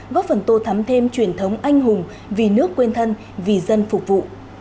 góp phần tô thắm thêm truyền thống anh hùng vì nước quên thân vì dân phục vụ